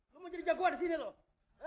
sudahlah tinggal duit gue